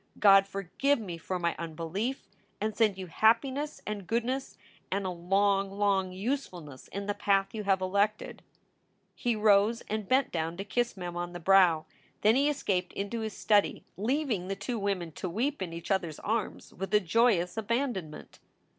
God forgive me for my unbelief and send you happiness and goodness and a long, long usefulness in the path you have elected." He rose and bent down to kiss Mem on the brow. Then he escaped into his study, leaving the two women to weep in each other s arms with a joyous abandonment.